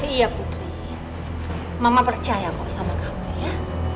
iya putri mama percaya kok sama kamu ya